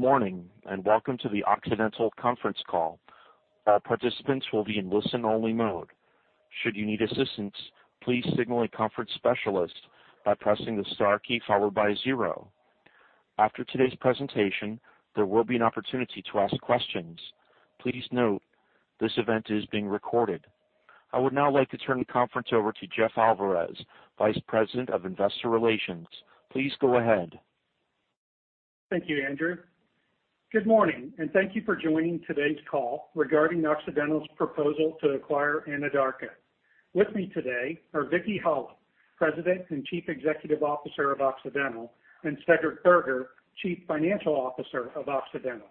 Morning, and welcome to the Occidental conference call. Participants will be in listen-only mode. Should you need assistance, please signal a conference specialist by pressing the star key followed by zero. After today's presentation, there will be an opportunity to ask questions. Please note this event is being recorded. I would now like to turn the conference over to Jeff Alvarez, Vice President of Investor Relations. Please go ahead. Thank you, Andrew. Good morning, and thank you for joining today's call regarding Occidental's proposal to acquire Anadarko. With me today are Vicki Hollub, President and Chief Executive Officer of Occidental, and Cedric Burgher, Chief Financial Officer of Occidental.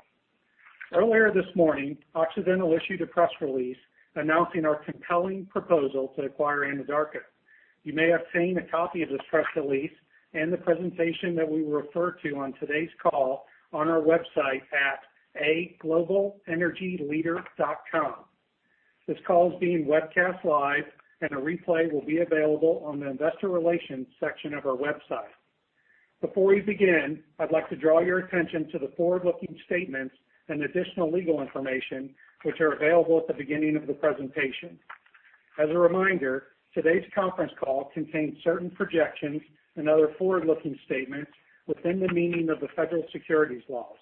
Earlier this morning, Occidental issued a press release announcing our compelling proposal to acquire Anadarko. You may have seen a copy of this press release and the presentation that we will refer to on today's call on our website at aglobalenergyleader.com. This call is being webcast live, and a replay will be available on the investor relations section of our website. Before we begin, I'd like to draw your attention to the forward-looking statements and additional legal information which are available at the beginning of the presentation. As a reminder, today's conference call contains certain projections and other forward-looking statements within the meaning of the federal securities laws.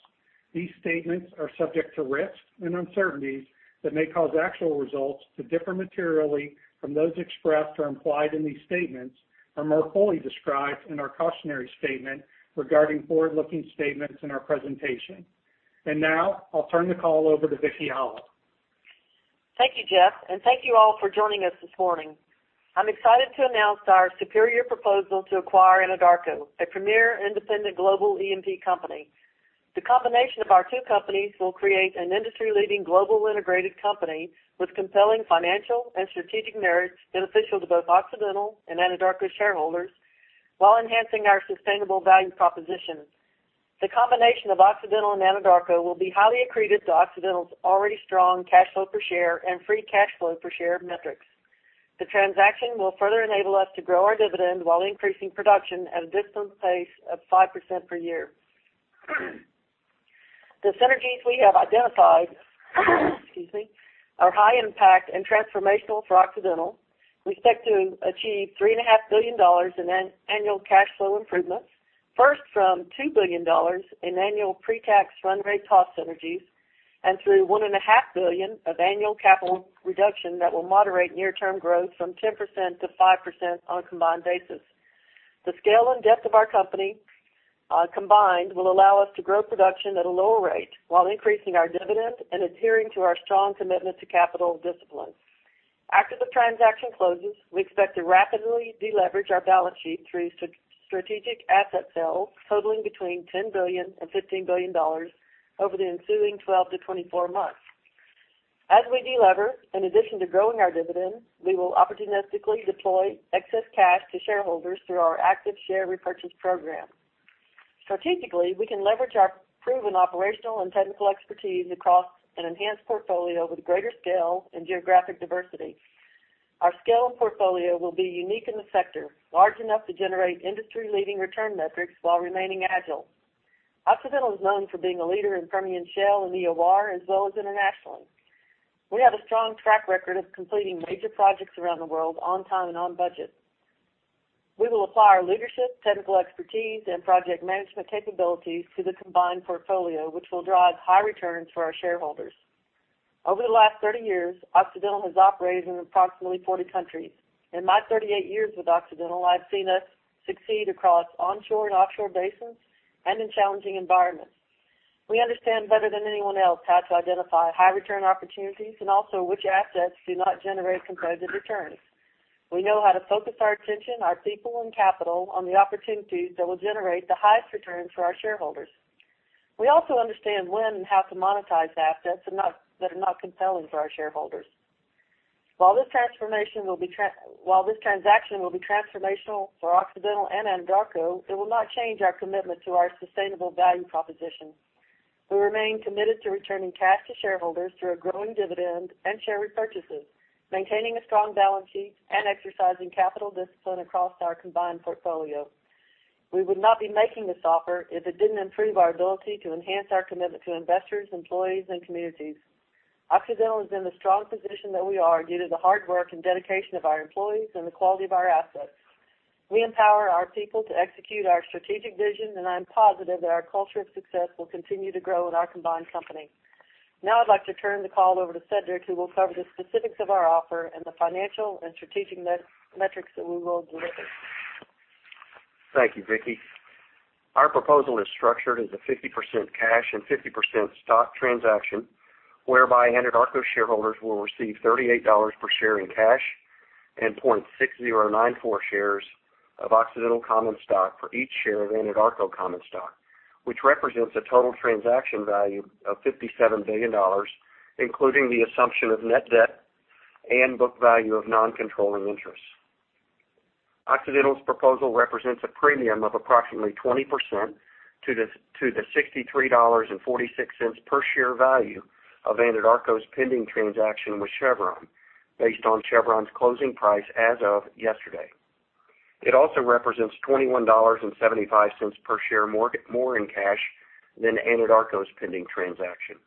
These statements are subject to risks and uncertainties that may cause actual results to differ materially from those expressed or implied in these statements are more fully described in our cautionary statement regarding forward-looking statements in our presentation. Now, I'll turn the call over to Vicki Hollub. Thank you, Jeff, and thank you all for joining us this morning. I'm excited to announce our superior proposal to acquire Anadarko, a premier independent global E&P company. The combination of our two companies will create an industry-leading global integrated company with compelling financial and strategic merits beneficial to both Occidental and Anadarko shareholders while enhancing our sustainable value proposition. The combination of Occidental and Anadarko will be highly accretive to Occidental's already strong cash flow per share and free cash flow per share metrics. The transaction will further enable us to grow our dividend while increasing production at a disciplined pace of 5% per year. The synergies we have identified are high impact and transformational for Occidental. We expect to achieve $3.5 billion in annual cash flow improvements, first from $2 billion in annual pre-tax run rate cost synergies and through $1.5 billion of annual capital reduction that will moderate near-term growth from 10%-5% on a combined basis. The scale and depth of our company combined will allow us to grow production at a lower rate while increasing our dividend and adhering to our strong commitment to capital discipline. After the transaction closes, we expect to rapidly deleverage our balance sheet through strategic asset sales totaling between $10 billion and $15 billion over the ensuing 12 to 24 months. As we de-lever, in addition to growing our dividend, we will opportunistically deploy excess cash to shareholders through our active share repurchase program. Strategically, we can leverage our proven operational and technical expertise across an enhanced portfolio with greater scale and geographic diversity. Our scale and portfolio will be unique in the sector, large enough to generate industry-leading return metrics while remaining agile. Occidental is known for being a leader in Permian Shale and EOR as well as internationally. We have a strong track record of completing major projects around the world on time and on budget. We will apply our leadership, technical expertise, and project management capabilities to the combined portfolio, which will drive high returns for our shareholders. Over the last 30 years, Occidental has operated in approximately 40 countries. In my 38 years with Occidental, I've seen us succeed across onshore and offshore basins and in challenging environments. We understand better than anyone else how to identify high return opportunities and also which assets do not generate competitive returns. We know how to focus our attention, our people, and capital on the opportunities that will generate the highest returns for our shareholders. We also understand when and how to monetize assets that are not compelling for our shareholders. While this transaction will be transformational for Occidental and Anadarko, it will not change our commitment to our sustainable value proposition. We remain committed to returning cash to shareholders through a growing dividend and share repurchases, maintaining a strong balance sheet and exercising capital discipline across our combined portfolio. We would not be making this offer if it didn't improve our ability to enhance our commitment to investors, employees, and communities. Occidental is in the strong position that we are due to the hard work and dedication of our employees and the quality of our assets. We empower our people to execute our strategic vision. I'm positive that our culture of success will continue to grow in our combined company. Now I'd like to turn the call over to Cedric, who will cover the specifics of our offer and the financial and strategic metrics that we will deliver. Thank you, Vicki. Our proposal is structured as a 50% cash and 50% stock transaction whereby Anadarko shareholders will receive $38 per share in cash and 0.6094 shares of Occidental common stock for each share of Anadarko common stock, which represents a total transaction value of $57 billion, including the assumption of net debt and book value of non-controlling interests. Occidental's proposal represents a premium of approximately 20% to the $63.46 per share value of Anadarko's pending transaction with Chevron based on Chevron's closing price as of yesterday. It also represents $21.75 per share more in cash than Anadarko's pending transaction.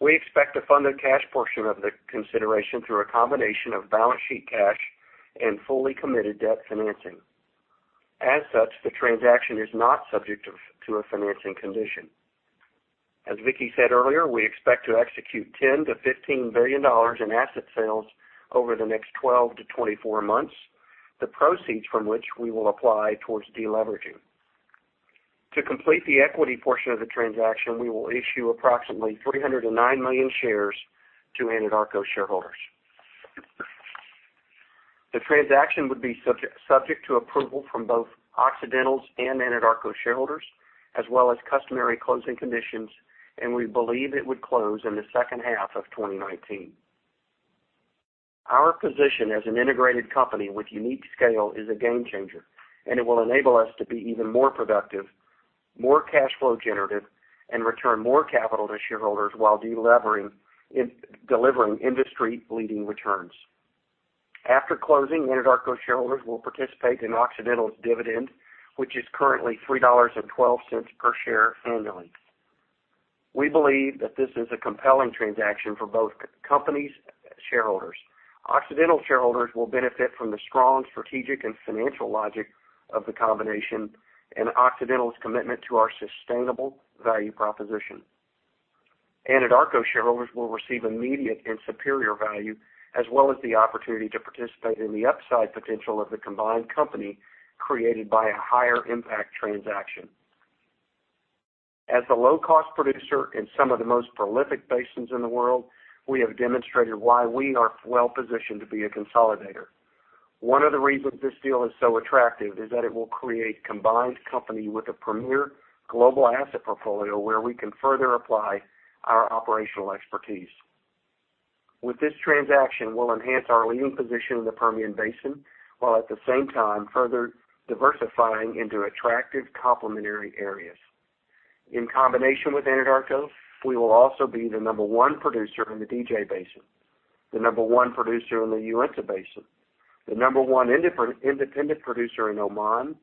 We expect to fund the cash portion of the consideration through a combination of balance sheet cash and fully committed debt financing. As such, the transaction is not subject to a financing condition. As Vicki said earlier, we expect to execute $10 billion-$15 billion in asset sales over the next 12 to 24 months, the proceeds from which we will apply towards de-leveraging. To complete the equity portion of the transaction, we will issue approximately 309 million shares to Anadarko shareholders. The transaction would be subject to approval from both Occidental's and Anadarko shareholders, as well as customary closing conditions. We believe it would close in the second half of 2019. Our position as an integrated company with unique scale is a game changer, and it will enable us to be even more productive, more cash flow generative, and return more capital to shareholders while de-levering, delivering industry-leading returns. After closing, Anadarko shareholders will participate in Occidental's dividend, which is currently $3.12 per share annually. We believe that this is a compelling transaction for both companies' shareholders. Occidental shareholders will benefit from the strong strategic and financial logic of the combination and Occidental's commitment to our sustainable value proposition. Anadarko shareholders will receive immediate and superior value, as well as the opportunity to participate in the upside potential of the combined company created by a higher impact transaction. As a low-cost producer in some of the most prolific basins in the world, we have demonstrated why we are well positioned to be a consolidator. One of the reasons this deal is so attractive is that it will create a combined company with a premier global asset portfolio, where we can further apply our operational expertise. With this transaction, we will enhance our leading position in the Permian Basin, while at the same time further diversifying into attractive complementary areas. In combination with Anadarko, we will also be the number 1 producer in the DJ Basin, the number 1 producer in the Uinta Basin, the number 1 independent producer in Oman.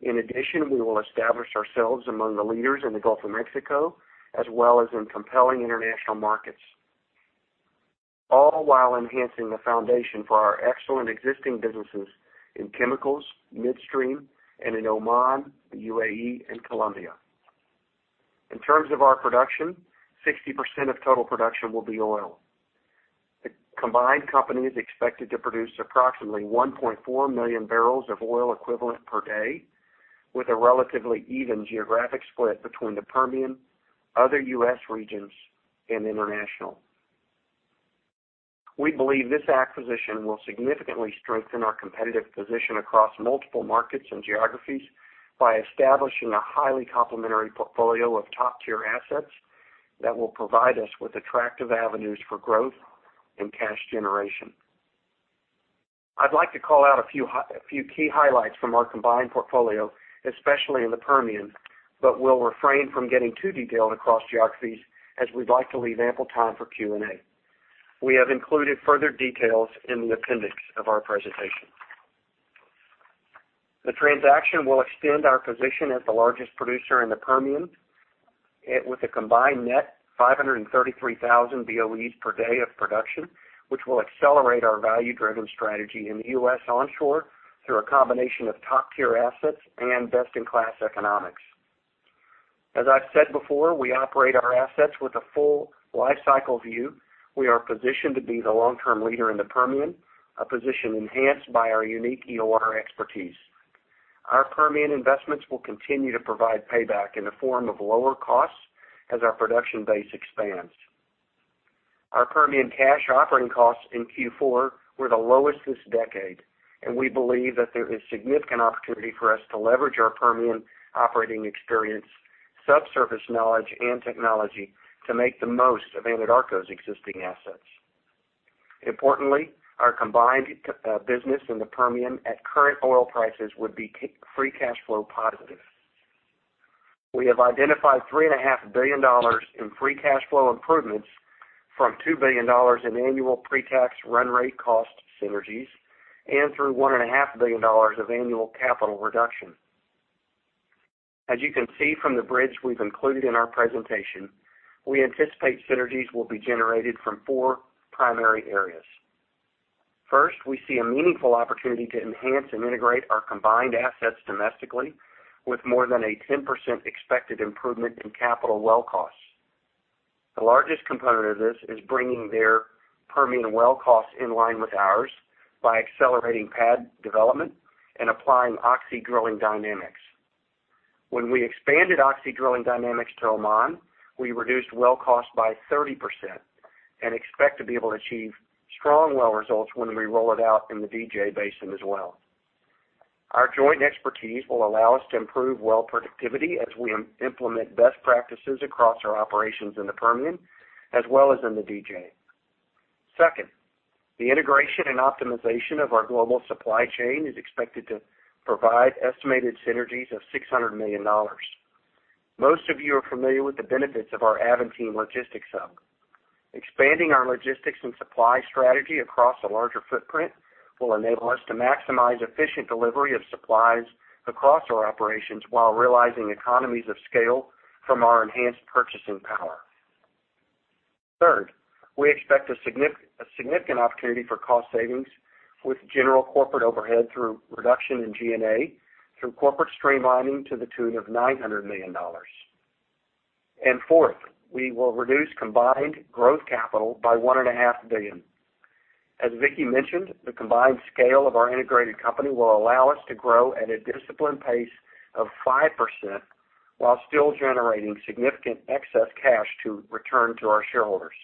In addition, we will establish ourselves among the leaders in the Gulf of Mexico, as well as in compelling international markets, all while enhancing the foundation for our excellent existing businesses in chemicals, midstream, and in Oman, the UAE, and Colombia. In terms of our production, 60% of total production will be oil. The combined company is expected to produce approximately 1.4 million barrels of oil equivalent per day, with a relatively even geographic split between the Permian, other U.S. regions, and international. We believe this acquisition will significantly strengthen our competitive position across multiple markets and geographies by establishing a highly complementary portfolio of top-tier assets that will provide us with attractive avenues for growth and cash generation. I'd like to call out a few key highlights from our combined portfolio, especially in the Permian, but we'll refrain from getting too detailed across geographies, as we'd like to leave ample time for Q&A. We have included further details in the appendix of our presentation. The transaction will extend our position as the largest producer in the Permian, with a combined net 533,000 BOEs per day of production, which will accelerate our value-driven strategy in the U.S. onshore through a combination of top-tier assets and best-in-class economics. As I've said before, we operate our assets with a full life cycle view. We are positioned to be the long-term leader in the Permian, a position enhanced by our unique EOR expertise. Our Permian investments will continue to provide payback in the form of lower costs as our production base expands. Our Permian cash operating costs in Q4 were the lowest this decade. We believe that there is significant opportunity for us to leverage our Permian operating experience, subsurface knowledge, and technology to make the most of Anadarko's existing assets. Importantly, our combined business in the Permian at current oil prices would be free cash flow positive. We have identified $3.5 billion in free cash flow improvements from $2 billion in annual pre-tax run rate cost synergies and through $1.5 billion of annual capital reduction. As you can see from the bridge we've included in our presentation, we anticipate synergies will be generated from four primary areas. First, we see a meaningful opportunity to enhance and integrate our combined assets domestically with more than a 10% expected improvement in capital well costs. The largest component of this is bringing their Permian well costs in line with ours by accelerating pad development and applying Oxy Drilling Dynamics. When we expanded Oxy Drilling Dynamics to Oman, we reduced well cost by 30% and expect to be able to achieve strong well results when we roll it out in the DJ Basin as well. Our joint expertise will allow us to improve well productivity as we implement best practices across our operations in the Permian as well as in the DJ. Second, the integration and optimization of our global supply chain is expected to provide estimated synergies of $600 million. Most of you are familiar with the benefits of our Aventine logistics hub. Expanding our logistics and supply strategy across a larger footprint will enable us to maximize efficient delivery of supplies across our operations while realizing economies of scale from our enhanced purchasing power. Third, we expect a significant opportunity for cost savings with general corporate overhead through reduction in G&A, through corporate streamlining to the tune of $900 million. Fourth, we will reduce combined growth capital by $1.5 billion. As Vicki mentioned, the combined scale of our integrated company will allow us to grow at a disciplined pace of 5% while still generating significant excess cash to return to our shareholders.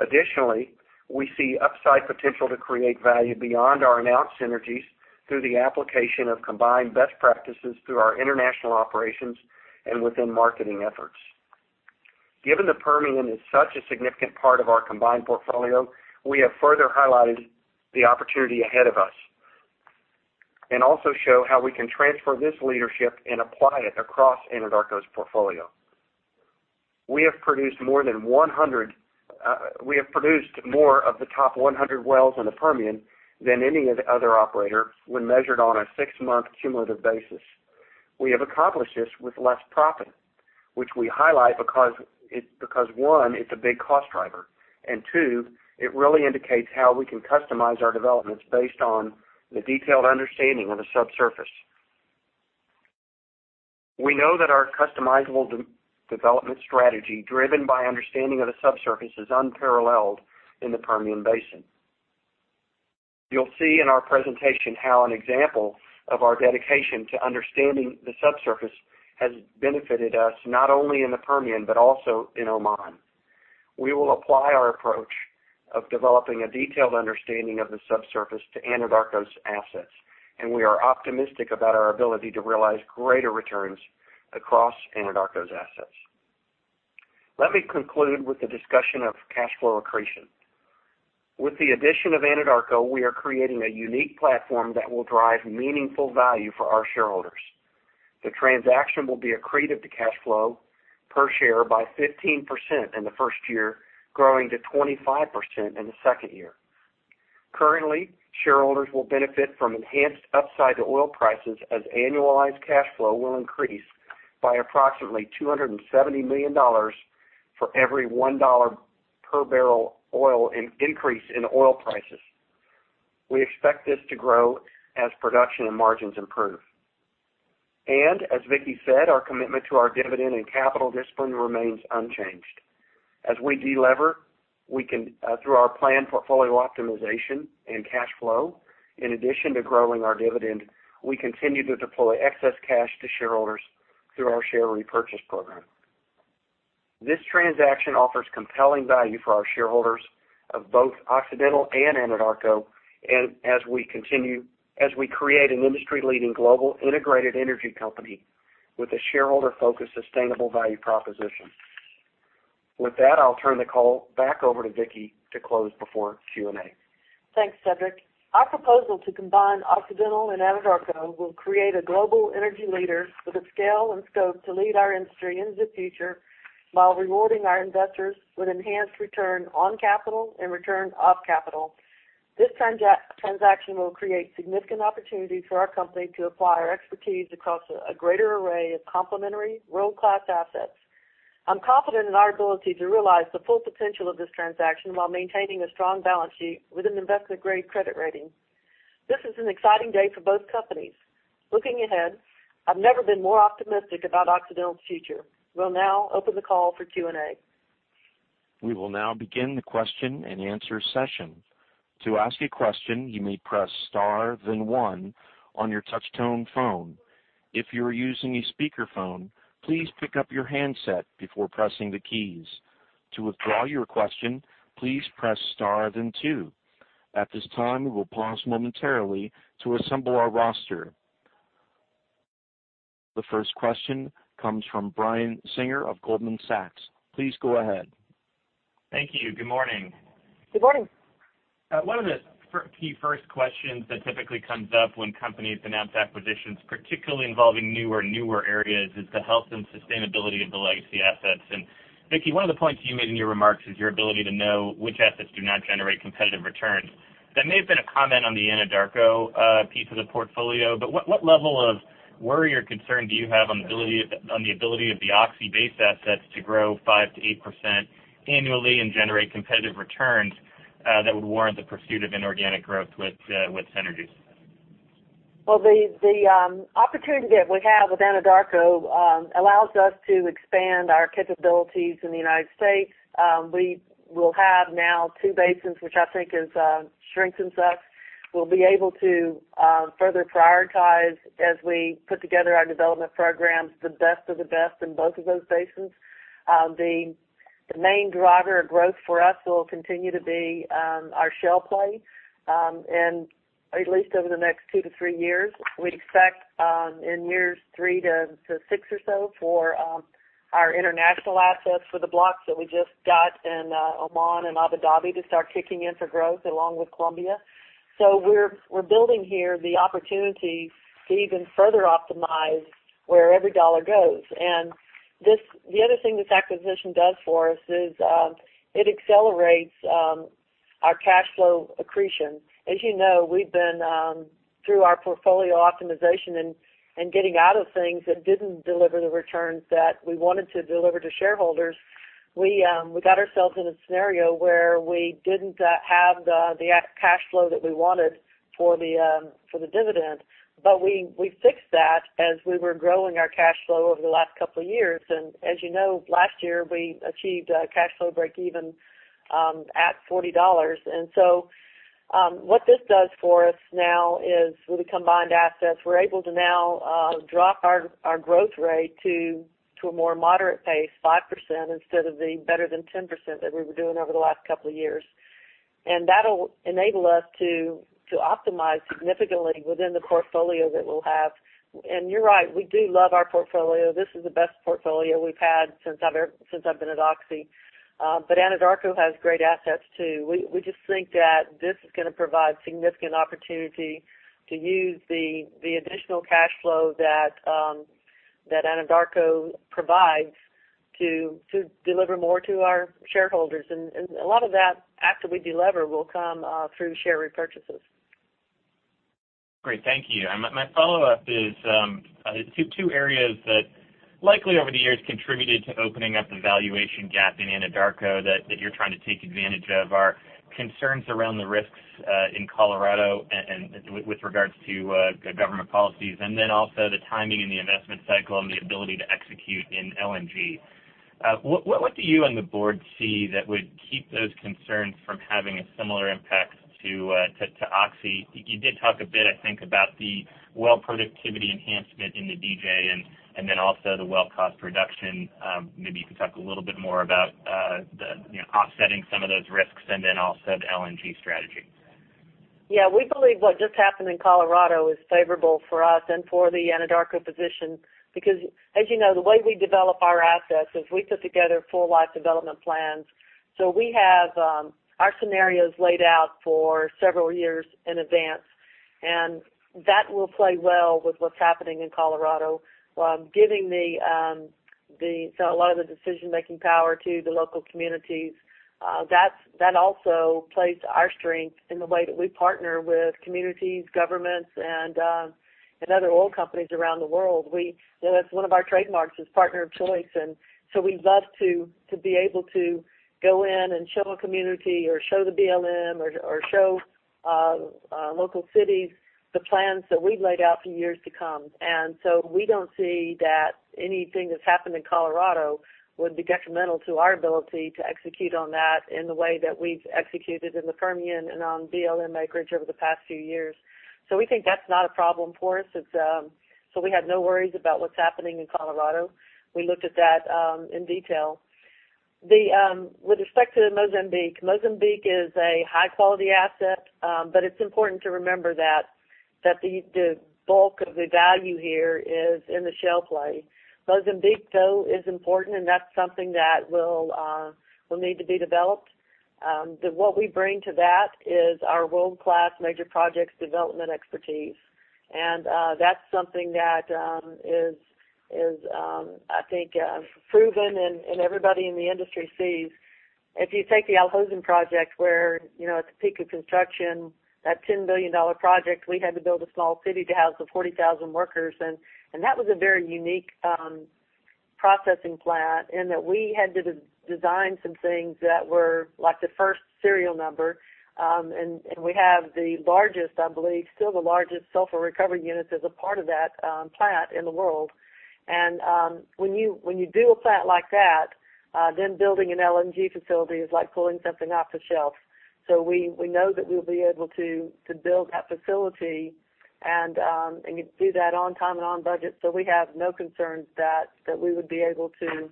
Additionally, we see upside potential to create value beyond our announced synergies through the application of combined best practices through our international operations and within marketing efforts. Given the Permian is such a significant part of our combined portfolio, we have further highlighted the opportunity ahead of us and also show how we can transfer this leadership and apply it across Anadarko's portfolio. We have produced more of the top 100 wells in the Permian than any other operator when measured on a six-month cumulative basis. We have accomplished this with less propping, which we highlight because, one, it's a big cost driver, and two, it really indicates how we can customize our developments based on the detailed understanding of the subsurface. We know that our customizable development strategy, driven by understanding of the subsurface, is unparalleled in the Permian Basin. You'll see in our presentation how an example of our dedication to understanding the subsurface has benefited us not only in the Permian but also in Oman. We will apply our approach of developing a detailed understanding of the subsurface to Anadarko's assets. We are optimistic about our ability to realize greater returns across Anadarko's assets. Let me conclude with a discussion of cash flow accretion. With the addition of Anadarko, we are creating a unique platform that will drive meaningful value for our shareholders. The transaction will be accretive to cash flow per share by 15% in the first year, growing to 25% in the second year. Currently, shareholders will benefit from enhanced upside to oil prices as annualized cash flow will increase by approximately $270 million for every $1 per barrel increase in oil prices. We expect this to grow as production and margins improve. As Vicki said, our commitment to our dividend and capital discipline remains unchanged. As we de-lever through our planned portfolio optimization and cash flow, in addition to growing our dividend, we continue to deploy excess cash to shareholders through our share repurchase program. This transaction offers compelling value for our shareholders of both Occidental and Anadarko and as we create an industry-leading global integrated energy company with a shareholder-focused, sustainable value proposition. With that, I'll turn the call back over to Vicki to close before Q&A. Thanks, Cedric. Our proposal to combine Occidental and Anadarko will create a global energy leader with the scale and scope to lead our industry into the future while rewarding our investors with enhanced return on capital and return of capital. This transaction will create significant opportunity for our company to apply our expertise across a greater array of complementary world-class assets. I'm confident in our ability to realize the full potential of this transaction while maintaining a strong balance sheet with an investment-grade credit rating. This is an exciting day for both companies. Looking ahead, I've never been more optimistic about Occidental's future. We'll now open the call for Q&A. We will now begin the question and answer session. To ask a question, you may press star then one on your touch-tone phone. If you are using a speakerphone, please pick up your handset before pressing the keys. To withdraw your question, please press star then two. At this time, we will pause momentarily to assemble our roster. The first question comes from Brian Singer of Goldman Sachs. Please go ahead. Thank you. Good morning. Good morning. One of the key first questions that typically comes up when companies announce acquisitions, particularly involving newer areas, is the health and sustainability of the legacy assets. Vicki, one of the points you made in your remarks is your ability to know which assets do not generate competitive returns. That may have been a comment on the Anadarko piece of the portfolio, but what level of worry or concern do you have on the ability of the Oxy base assets to grow 5%-8% annually and generate competitive returns that would warrant the pursuit of inorganic growth with synergies? Well, the opportunity that we have with Anadarko allows us to expand our capabilities in the U.S. We will have now two basins, which I think strengthens us. We'll be able to further prioritize as we put together our development programs, the best of the best in both of those basins. The main driver of growth for us will continue to be our shale play, and at least over the next two to three years. We expect in years three to six or so for our international assets for the blocks that we just got in Oman and Abu Dhabi to start kicking in for growth along with Colombia. We're building here the opportunities to even further optimize where every dollar goes. The other thing this acquisition does for us is it accelerates our cash flow accretion. As you know, we've been through our portfolio optimization and getting out of things that didn't deliver the returns that we wanted to deliver to shareholders. We got ourselves in a scenario where we didn't have the cash flow that we wanted for the dividend. We fixed that as we were growing our cash flow over the last couple of years. As you know, last year, we achieved a cash flow breakeven at $40. What this does for us now is, with the combined assets, we're able to now drop our growth rate to a more moderate pace, 5%, instead of the better than 10% that we were doing over the last couple of years. That'll enable us to optimize significantly within the portfolio that we'll have. You're right, we do love our portfolio. This is the best portfolio we've had since I've been at Oxy. Anadarko has great assets, too. We just think that this is going to provide significant opportunity to use the additional cash flow that Anadarko provides to deliver more to our shareholders. A lot of that, after we de-lever, will come through share repurchases. Great. Thank you. My follow-up is two areas that likely over the years contributed to opening up the valuation gap in Anadarko that you're trying to take advantage of are concerns around the risks in Colorado and with regards to government policies, and then also the timing and the investment cycle and the ability to execute in LNG. What do you and the board see that would keep those concerns from having a similar impact to Oxy? You did talk a bit, I think, about the well productivity enhancement in the DJ and then also the well cost reduction. Maybe you can talk a little bit more about offsetting some of those risks and then also the LNG strategy. Yeah. We believe what just happened in Colorado is favorable for us and for the Anadarko position, because as you know, the way we develop our assets is we put together full life development plans. We have our scenarios laid out for several years in advance, and that will play well with what's happening in Colorado. While giving a lot of the decision-making power to the local communities, that also plays to our strength in the way that we partner with communities, governments, and other oil companies around the world. That's one of our trademarks is partner of choice. We love to be able to go in and show a community or show the BLM or show local cities the plans that we've laid out for years to come. We don't see that anything that's happened in Colorado would be detrimental to our ability to execute on that in the way that we've executed in the Permian and on BLM acreage over the past few years. We think that's not a problem for us. We have no worries about what's happening in Colorado. We looked at that in detail. With respect to Mozambique is a high-quality asset, but it's important to remember that the bulk of the value here is in the shale play. Mozambique, though, is important, that's something that will need to be developed. What we bring to that is our world-class major projects development expertise. That's something that is, I think, proven and everybody in the industry sees. If you take the Al Hosn project, where at the peak of construction, that $10 billion project, we had to build a small city to house the 40,000 workers, that was a very unique processing plant in that we had to design some things that were like the first serial number. We have the largest, I believe, still the largest sulfur recovery unit as a part of that plant in the world. When you do a plant like that, then building an LNG facility is like pulling something off the shelf. We know that we'll be able to build that facility and do that on time and on budget. We have no concerns that we would be able to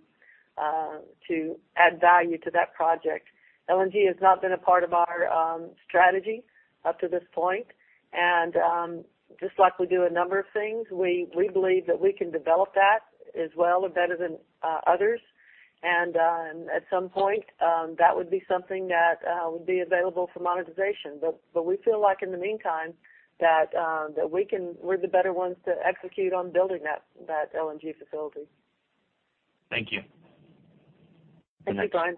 add value to that project. LNG has not been a part of our strategy up to this point, just like we do a number of things, we believe that we can develop that as well or better than others. At some point, that would be something that would be available for monetization. We feel like in the meantime, that we're the better ones to execute on building that LNG facility. Thank you. Thank you, Brian.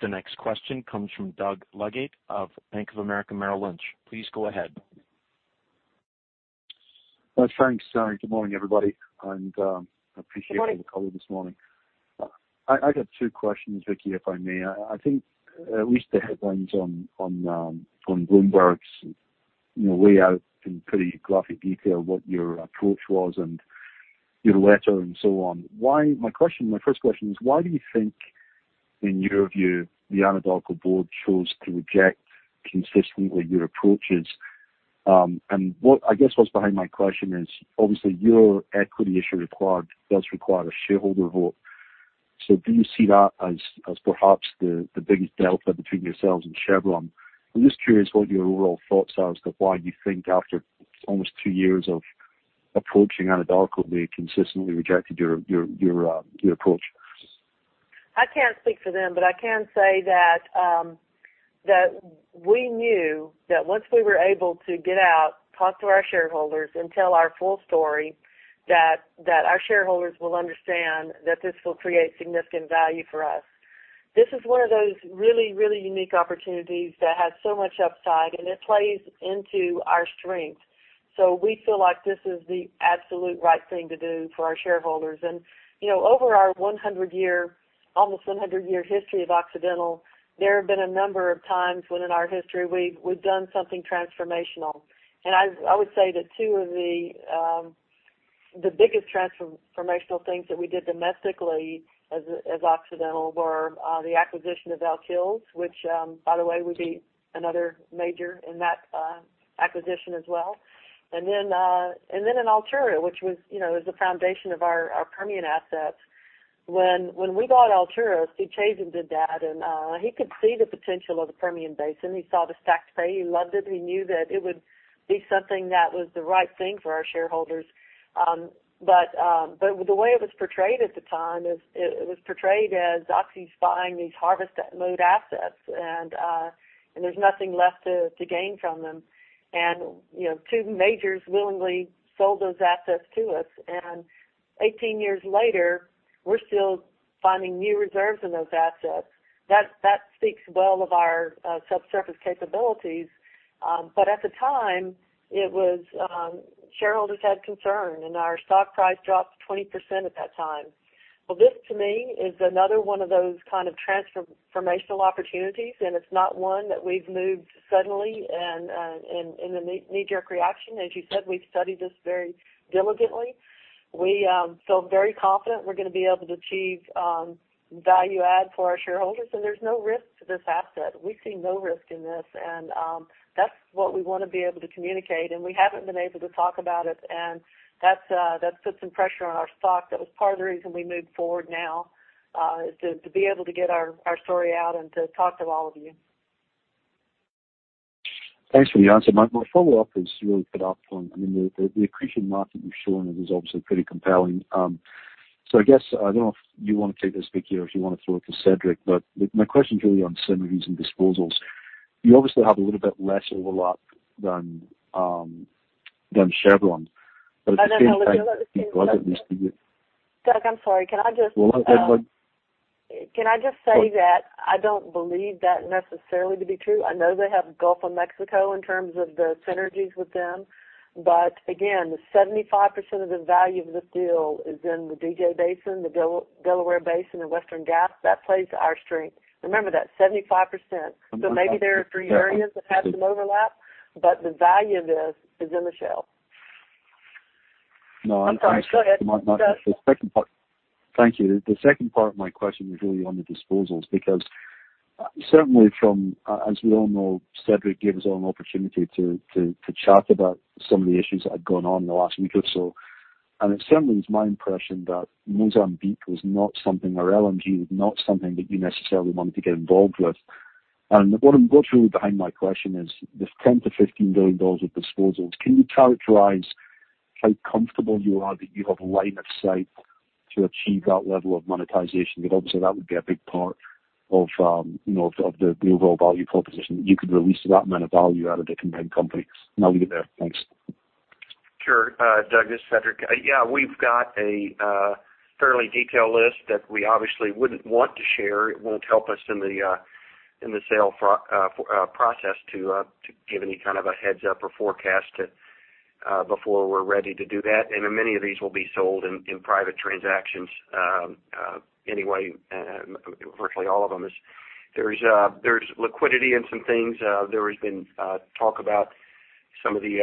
The next question comes from Doug Leggate of Bank of America Merrill Lynch. Please go ahead. Thanks. Good morning, everybody, appreciate the call this morning. I got two questions, Vicki, if I may. I think we used the headlines on Bloomberg way out in pretty graphic detail what your approach was your letter and so on. My first question is, why do you think, in your view, the Anadarko board chose to reject consistently your approaches? I guess what's behind my question is, obviously, your equity issue does require a shareholder vote. Do you see that as perhaps the biggest delta between yourselves and Chevron? I'm just curious what your overall thoughts are as to why you think after almost two years of approaching Anadarko, they consistently rejected your approach. I can't speak for them, but I can say that we knew that once we were able to get out, talk to our shareholders, and tell our full story, that our shareholders will understand that this will create significant value for us. This is one of those really, really unique opportunities that has so much upside, and it plays into our strengths. We feel like this is the absolute right thing to do for our shareholders. Over our almost 100-year history of Occidental, there have been a number of times within our history we've done something transformational. I would say that two of the biggest transformational things that we did domestically as Occidental were the acquisition of Elk Hills, which, by the way, would be another major in that acquisition as well. Then in Altura, which was the foundation of our Permian assets. When we bought Altura, Steve Chazen did that, and he could see the potential of the Permian Basin. He saw the stacked pay. He loved it. He knew that it would be something that was the right thing for our shareholders. The way it was portrayed at the time, it was portrayed as Oxy's buying these harvest mode assets, and there's nothing left to gain from them. Two majors willingly sold those assets to us. 18 years later, we're still finding new reserves in those assets. That speaks well of our subsurface capabilities. At the time, shareholders had concern, and our stock price dropped 20% at that time. Well, this to me is another one of those kind of transformational opportunities, and it's not one that we've moved suddenly and in a knee-jerk reaction. As you said, we've studied this very diligently. We feel very confident we're going to be able to achieve value add for our shareholders, and there's no risk to this asset. We see no risk in this, and that's what we want to be able to communicate. We haven't been able to talk about it, and that's put some pressure on our stock. That was part of the reason we moved forward now, is to be able to get our story out and to talk to all of you. Thanks for the answer. My follow-up is really put up from the accretion margin you've shown is obviously pretty compelling. I guess, I don't know if you want to take this, Vicki, or if you want to throw it to Cedric, but my question is really on synergies and disposals. You obviously have a little bit less overlap than Chevron. I don't know. Doug, I'm sorry, can I just Well, go ahead, Vicki. Can I just say that I don't believe that necessarily to be true. I know they have Gulf of Mexico in terms of the synergies with them. Again, the 75% of the value of this deal is in the DJ Basin, the Delaware Basin, and Western Gas. That plays to our strength. Remember that 75%. Maybe there are three areas that have some overlap, but the value of this is in the shale. I'm sorry, go ahead. No. The second part Thank you. The second part of my question was really on the disposals, because certainly from, as we all know, Cedric gave us all an opportunity to chat about some of the issues that had gone on in the last week or so. It certainly is my impression that Mozambique was not something, or LNG was not something that you necessarily wanted to get involved with. What I'm getting behind my question is this $10 billion-$15 billion of disposals. Can you characterize how comfortable you are that you have line of sight to achieve that level of monetization? Because obviously, that would be a big part of the overall value proposition, you could release that amount of value out of the combined companies. I'll leave it there. Thanks. Sure. Doug, this is Cedric. We've got a fairly detailed list that we obviously wouldn't want to share. It won't help us in the sale process to give any kind of a heads up or forecast before we're ready to do that. Many of these will be sold in private transactions anyway, virtually all of them. There's liquidity in some things. There has been talk about some of the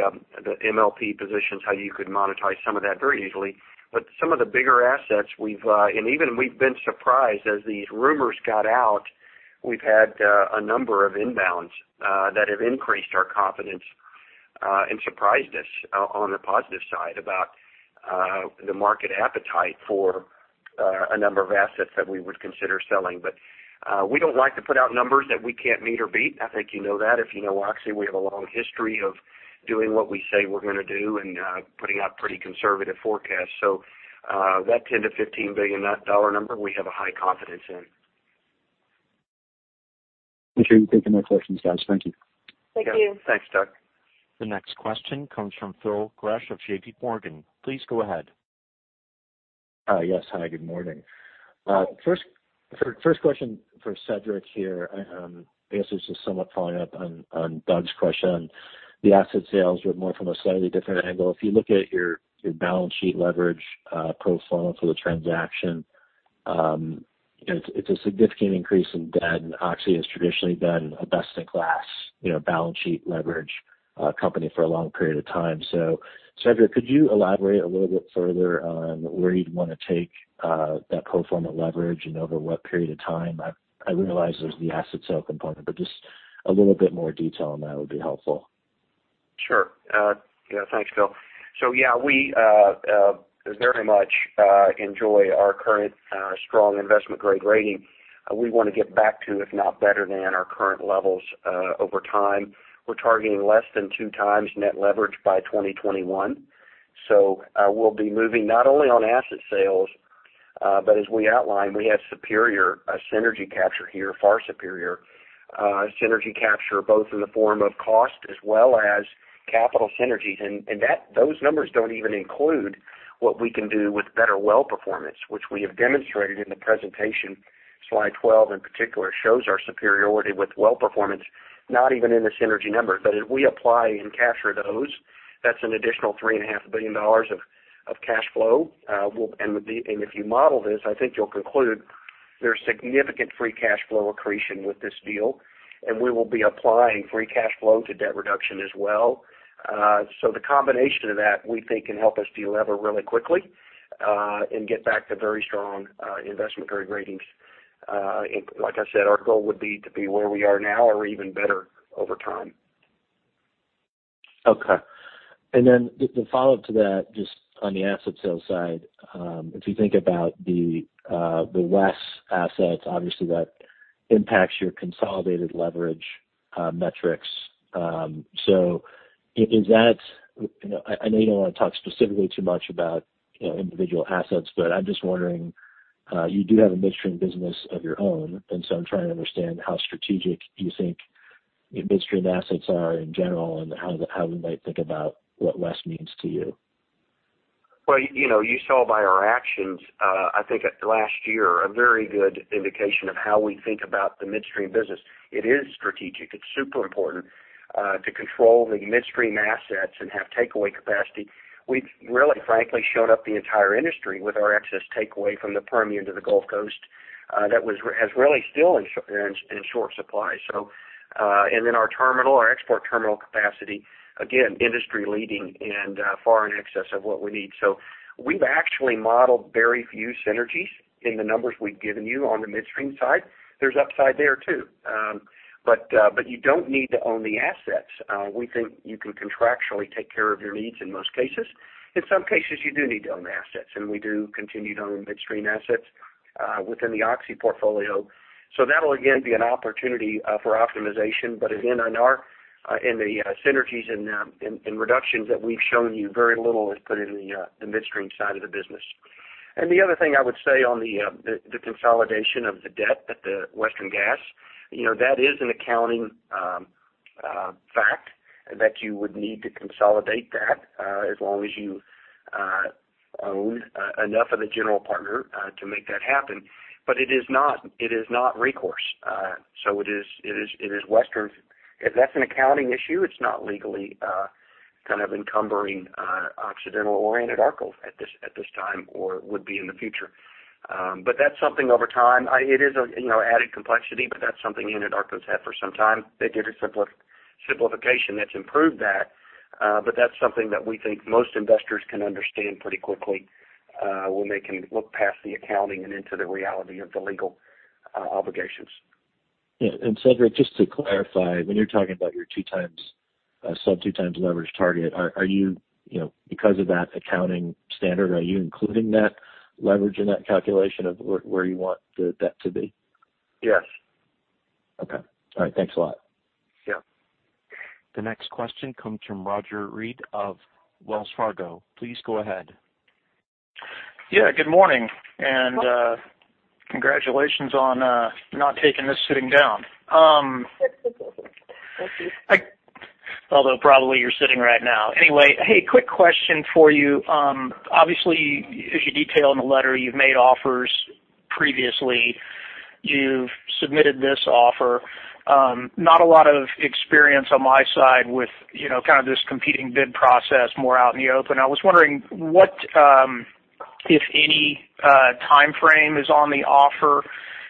MLP positions, how you could monetize some of that very easily. Some of the bigger assets we've and even we've been surprised, as these rumors got out, we've had a number of inbounds that have increased our confidence and surprised us on the positive side about the market appetite for a number of assets that we would consider selling. We don't like to put out numbers that we can't meet or beat. I think you know that. If you know Oxy, we have a long history of doing what we say we're going to do and putting out pretty conservative forecasts. That $10 billion-$15 billion number, we have a high confidence in. I'm sure you can take my next questions, guys. Thank you. Thank you. Thanks, Doug. The next question comes from Phil Gresh of JPMorgan. Please go ahead. Yes. Hi, good morning. First question for Cedric here. I guess this is somewhat following up on Doug's question. The asset sales were more from a slightly different angle. If you look at your balance sheet leverage pro forma for the transaction, it's a significant increase in debt, and Oxy has traditionally been a best-in-class balance sheet leverage company for a long period of time. Cedric, could you elaborate a little bit further on where you'd want to take that pro forma leverage and over what period of time? I realize there's the asset sale component, but just a little bit more detail on that would be helpful. Sure. Yeah. Thanks, Phil. Yeah, we very much enjoy our current strong investment-grade rating. We want to get back to, if not better than our current levels over time. We're targeting less than two times net leverage by 2021. We'll be moving not only on asset sales. As we outlined, we have superior synergy capture here, far superior synergy capture, both in the form of cost as well as capital synergies. Those numbers don't even include what we can do with better well performance, which we have demonstrated in the presentation. Slide 12 in particular, shows our superiority with well performance, not even in the synergy numbers. As we apply and capture those, that's an additional $3.5 billion of cash flow. If you model this, I think you'll conclude there's significant free cash flow accretion with this deal, and we will be applying free cash flow to debt reduction as well. The combination of that, we think can help us delever really quickly, and get back to very strong investment-grade ratings. Like I said, our goal would be to be where we are now or even better over time. Okay. Just a follow-up to that, just on the asset sales side, if you think about the less assets, obviously that impacts your consolidated leverage metrics. I know you don't want to talk specifically too much about individual assets, but I'm just wondering, you do have a midstream business of your own, and so I'm trying to understand how strategic you think midstream assets are in general, and how we might think about what less means to you. You saw by our actions, I think last year, a very good indication of how we think about the midstream business. It is strategic. It's super important to control the midstream assets and have takeaway capacity. We've really, frankly, showed up the entire industry with our excess takeaway from the Permian to the Gulf Coast, that has really still in short supply. Our terminal, our export terminal capacity, again, industry leading and far in excess of what we need. We've actually modeled very few synergies in the numbers we've given you on the midstream side. There's upside there too. You don't need to own the assets. We think you can contractually take care of your needs in most cases. In some cases, you do need to own the assets, and we do continue to own midstream assets within the Oxy portfolio. That'll again be an opportunity for optimization. Again, in the synergies and reductions that we've shown you, very little is put into the midstream side of the business. The other thing I would say on the consolidation of the debt at the Western Gas, that is an accounting fact that you would need to consolidate that, as long as you own enough of the general partner to make that happen. It is not recourse. It is Western's, if that's an accounting issue, it's not legally kind of encumbering Occidental or Anadarko at this time or would be in the future. That's something over time, it is added complexity, but that's something Anadarko's had for some time. They did a simplification that's improved that. That's something that we think most investors can understand pretty quickly, when they can look past the accounting and into the reality of the legal obligations. Yeah. Cedric, just to clarify, when you're talking about your 2 times, sub 2 times leverage target, are you, because of that accounting standard, are you including that leverage in that calculation of where you want the debt to be? Yes. Okay. All right. Thanks a lot. Yeah. The next question comes from Roger Read of Wells Fargo. Please go ahead. Yeah, good morning. Congratulations on not taking this sitting down. Thank you. Although probably you're sitting right now. Anyway. Hey, quick question for you. Obviously, as you detail in the letter, you've made offers previously. You've submitted this offer. Not a lot of experience on my side with kind of this competing bid process more out in the open. I was wondering what, if any, timeframe is on the offer,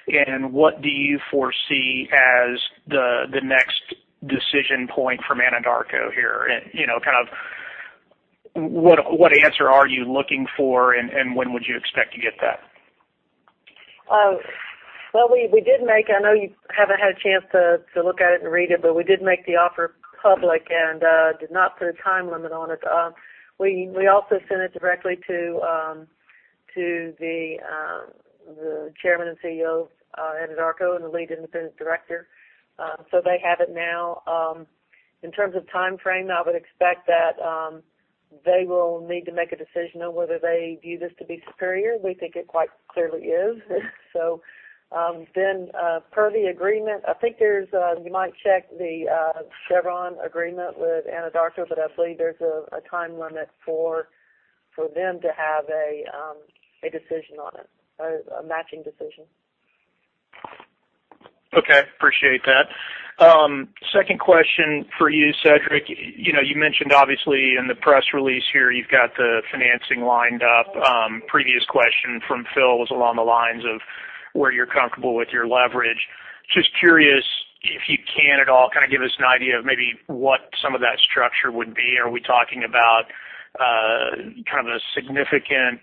and what do you foresee as the next decision point from Anadarko here? Kind of what answer are you looking for, and when would you expect to get that? Well, I know you haven't had a chance to look at it and read it, but we did make the offer public and did not put a time limit on it. We also sent it directly to the chairman and CEO of Anadarko and the lead independent director. They have it now. In terms of timeframe, I would expect that they will need to make a decision on whether they view this to be superior. We think it quite clearly is. Per the agreement, I think there's a you might check the Chevron agreement with Anadarko, but I believe there's a time limit for them to have a decision on it, a matching decision. Okay. Appreciate that. Second question for you, Cedric. You mentioned obviously in the press release here, you've got the financing lined up. Previous question from Phil was along the lines of where you're comfortable with your leverage. Just curious if you can at all, kind of give us an idea of maybe what some of that structure would be. Are we talking about kind of a significant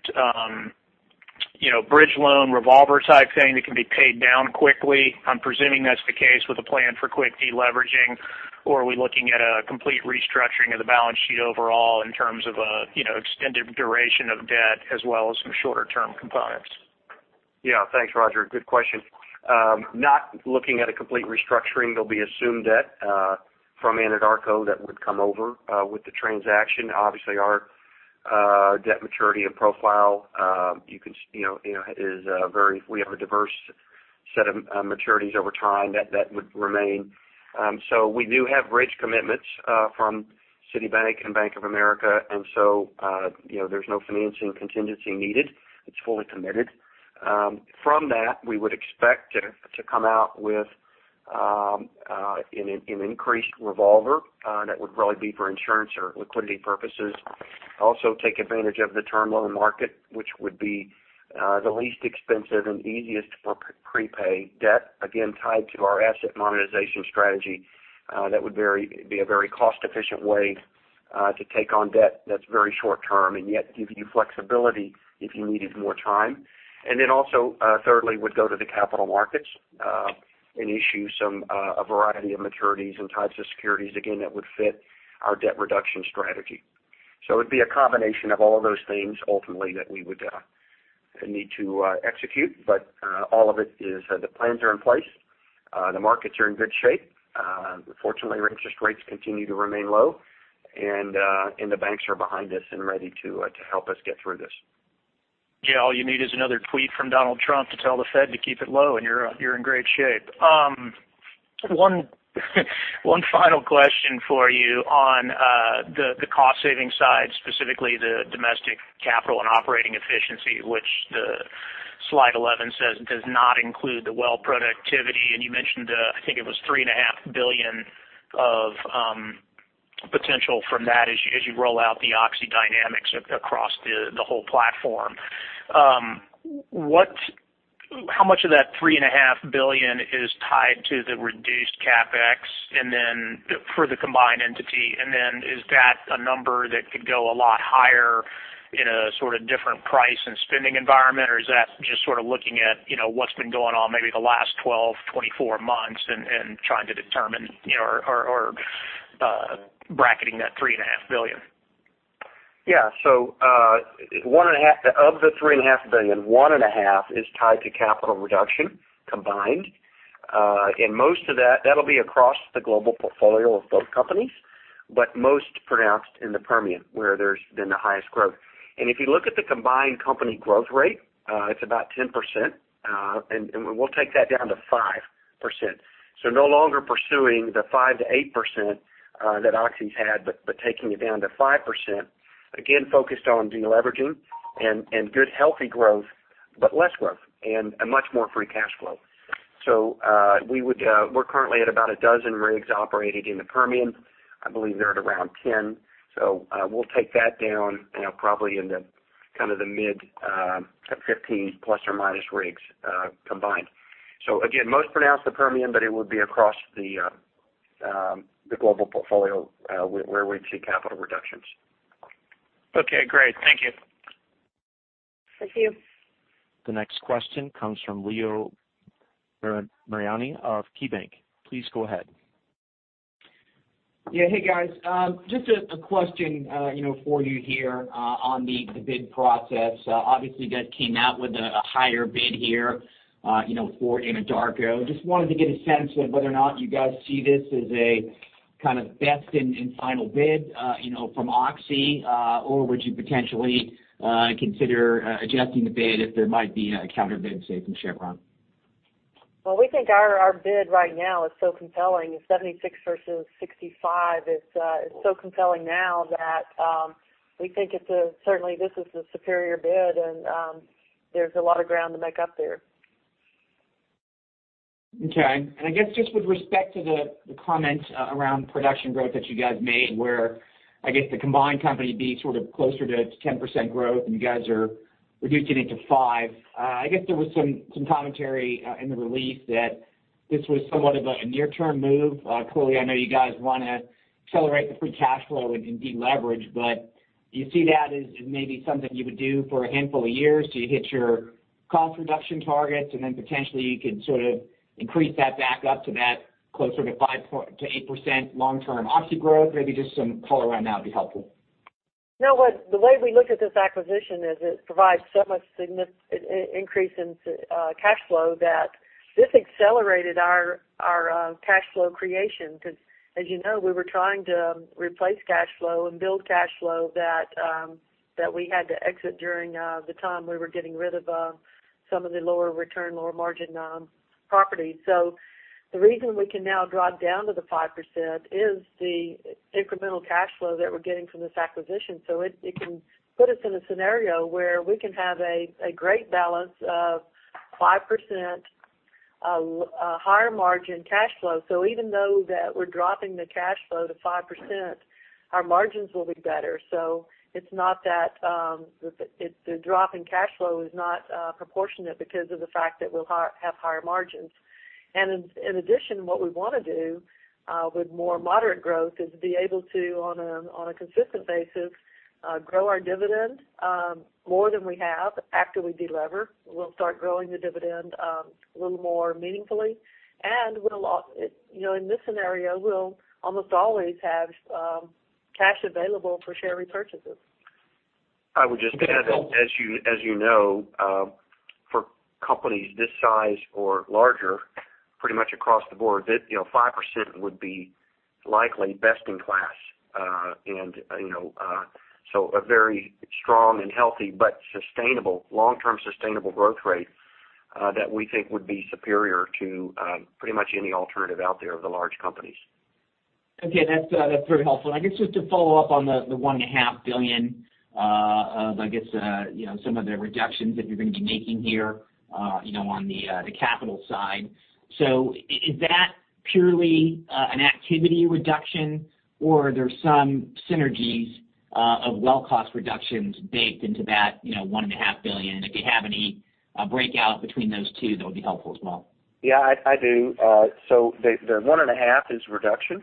bridge loan revolver type thing that can be paid down quickly? I'm presuming that's the case with a plan for quick deleveraging. Or are we looking at a complete restructuring of the balance sheet overall in terms of extended duration of debt as well as some shorter-term components? Yeah. Thanks, Roger. Good question. Not looking at a complete restructuring. There'll be assumed debt from Anadarko that would come over with the transaction. Obviously, our debt maturity and profile, we have a diverse set of maturities over time that would remain. We do have bridge commitments from Citibank and Bank of America, and so there's no financing contingency needed. It's fully committed. From that, we would expect to come out with an increased revolver that would really be for insurance or liquidity purposes. Also take advantage of the term loan market, which would be the least expensive and easiest to prepay debt, again, tied to our asset monetization strategy. That would be a very cost-efficient way to take on debt that's very short term and yet give you flexibility if you needed more time. Also, thirdly, would go to the capital markets, and issue a variety of maturities and types of securities, again, that would fit our debt reduction strategy. It'd be a combination of all of those things, ultimately, that we would need to execute. All of it is, the plans are in place. The markets are in good shape. Fortunately, interest rates continue to remain low, and the banks are behind us and ready to help us get through this. Yeah, all you need is another tweet from Donald Trump to tell the Fed to keep it low, and you're in great shape. One final question for you on the cost-saving side, specifically the domestic capital and operating efficiency, which the Slide 11 says does not include the well productivity, and you mentioned, I think it was three and a half billion of potential from that as you roll out the Oxy Drilling Dynamics across the whole platform. How much of that three and a half billion is tied to the reduced CapEx for the combined entity, and then is that a number that could go a lot higher in a different price and spending environment, or is that just looking at what's been going on maybe the last 12, 24 months and trying to determine or bracketing that three and a half billion? Of the $3.5 billion, $1.5 billion is tied to capital reduction combined. That will be across the global portfolio of both companies, but most pronounced in the Permian, where there has been the highest growth. If you look at the combined company growth rate, it is about 10%, and we will take that down to 5%. No longer pursuing the 5%-8% that Oxy's had, but taking it down to 5%, again, focused on de-leveraging and good, healthy growth, but less growth and a much more free cash flow. We are currently at about a dozen rigs operating in the Permian. I believe they are at around 10. We will take that down, probably in the mid-15 plus or minus rigs combined. Again, most pronounced the Permian, but it would be across the global portfolio where we would see capital reductions. Okay, great. Thank you. Thank you. The next question comes from Leo Mariani of KeyBank. Please go ahead. Yeah. Hey, guys. Just a question for you here on the bid process. Obviously, you guys came out with a higher bid here for Anadarko. Just wanted to get a sense of whether or not you guys see this as a best and final bid from Oxy, or would you potentially consider adjusting the bid if there might be a counter bid, say, from Chevron? Well, we think our bid right now is so compelling, $76 versus $65, is so compelling now that we think certainly this is the superior bid, and there's a lot of ground to make up there. Okay. I guess just with respect to the comment around production growth that you guys made, where, I guess the combined company would be closer to 10% growth, and you guys are reducing it to five. I guess there was some commentary in the release that this was somewhat of a near-term move. Clearly, I know you guys want to accelerate the free cash flow and de-leverage, do you see that as maybe something you would do for a handful of years till you hit your cost reduction targets, and then potentially you could increase that back up to that closer to 5% to 8% long-term Oxy growth? Maybe just some color around that would be helpful. No. The way we look at this acquisition is it provides so much significant increase in cash flow that this accelerated our cash flow creation, because as you know, we were trying to replace cash flow and build cash flow that we had to exit during the time we were getting rid of some of the lower return, lower margin properties. The reason we can now drop down to the 5% is the incremental cash flow that we're getting from this acquisition. It can put us in a scenario where we can have a great balance of 5% higher margin cash flow. Even though that we're dropping the cash flow to 5%, our margins will be better. The drop in cash flow is not proportionate because of the fact that we'll have higher margins. In addition, what we want to do with more moderate growth is be able to, on a consistent basis, grow our dividend more than we have. After we de-lever, we'll start growing the dividend a little more meaningfully, and in this scenario, we'll almost always have cash available for share repurchases. I would just add that, as you know, for companies this size or larger, pretty much across the board, 5% would be likely best in class. A very strong and healthy but sustainable, long-term sustainable growth rate that we think would be superior to pretty much any alternative out there of the large companies. Okay. That's very helpful. I guess just to follow up on the $1.5 billion of, I guess, some of the reductions that you're going to be making here on the capital side. Is that purely an activity reduction or are there some synergies of well cost reductions baked into that $1.5 billion? If you have any breakout between those two, that would be helpful as well. Yeah, I do. The $1.5 billion is reduction.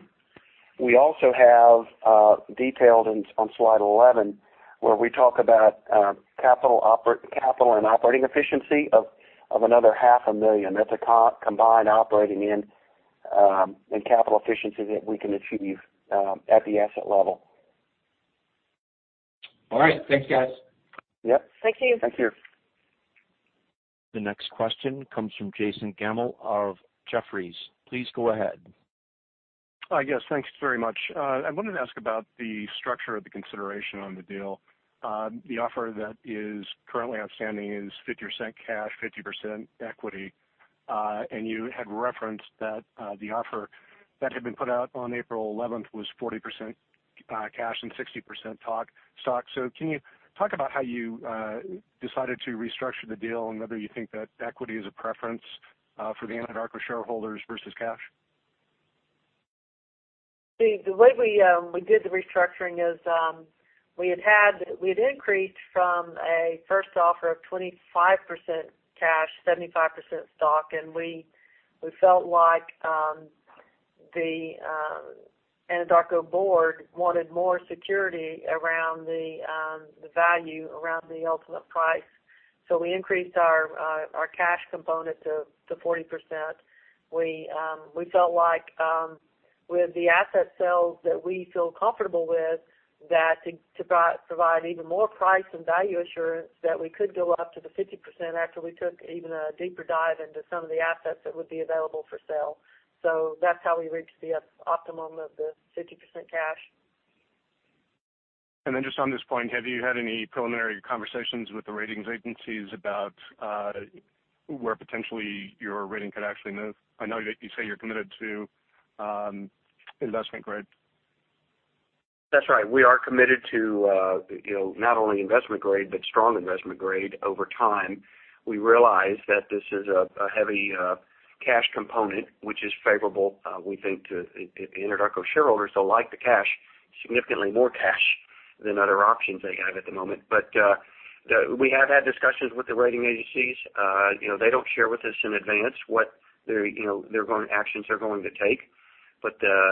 We also have detailed on slide 11, where we talk about capital and operating efficiency of another million. That's a combined operating and capital efficiency that we can achieve at the asset level. All right. Thanks, guys. Yep. Thank you. Thank you. The next question comes from Jason Gammel of Jefferies. Please go ahead. Yes, thanks very much. I wanted to ask about the structure of the consideration on the deal. The offer that is currently outstanding is 50% cash, 50% equity. You had referenced that the offer that had been put out on April 11th was 40% cash and 60% stock. Can you talk about how you decided to restructure the deal and whether you think that equity is a preference for the Anadarko shareholders versus cash? The way we did the restructuring is we had increased from a first offer of 25% cash, 75% stock, and we felt like the Anadarko board wanted more security around the value around the ultimate price. We increased our cash component to 40%. We felt like with the asset sales that we feel comfortable with, that to provide even more price and value assurance, that we could go up to the 50% after we took even a deeper dive into some of the assets that would be available for sale. That's how we reached the optimum of the 50% cash. Just on this point, have you had any preliminary conversations with the ratings agencies about where potentially your rating could actually move? I know that you say you're committed to investment grade. That's right. We are committed to not only investment grade, but strong investment grade over time. We realize that this is a heavy cash component, which is favorable, we think to Anadarko shareholders. They'll like the cash, significantly more cash than other options they have at the moment. We have had discussions with the rating agencies. They don't share with us in advance what actions they're going to take.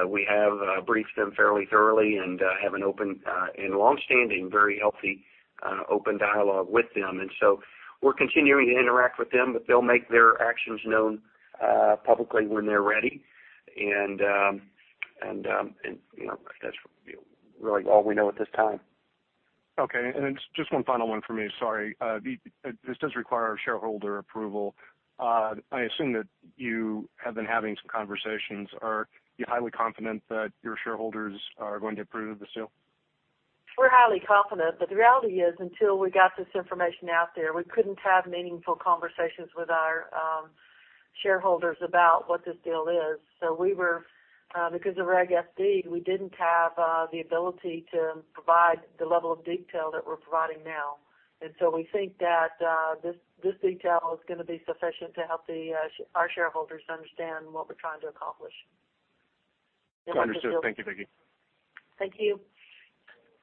We have briefed them fairly thoroughly and have an open and longstanding, very healthy open dialogue with them. We're continuing to interact with them, but they'll make their actions known publicly when they're ready. That's really all we know at this time. Okay. Then just one final one for me. Sorry. This does require shareholder approval. I assume that you have been having some conversations. Are you highly confident that your shareholders are going to approve the sale? We're highly confident, the reality is, until we got this information out there, we couldn't have meaningful conversations with our shareholders about what this deal is. Because of Regulation FD, we didn't have the ability to provide the level of detail that we're providing now. We think that this detail is going to be sufficient to help our shareholders understand what we're trying to accomplish. Understood. Thank you, Vicki. Thank you.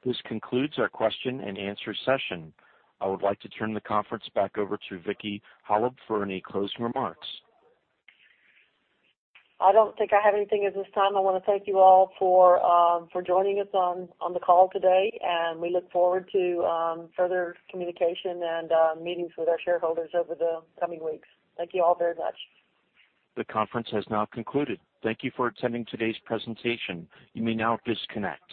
This concludes our question and answer session. I would like to turn the conference back over to Vicki Hollub for any closing remarks. I don't think I have anything at this time. I want to thank you all for joining us on the call today, and we look forward to further communication and meetings with our shareholders over the coming weeks. Thank you all very much. The conference has now concluded. Thank you for attending today's presentation. You may now disconnect.